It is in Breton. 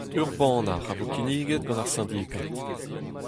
Ur bannac'h a vo kinniget gant ar Sindikad.